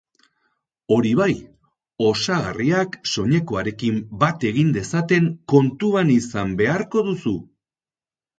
Hori bai, osagarriak soinekoarekin bat egin dezaten kontuan izan beharko duzu.